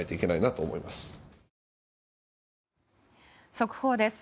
速報です。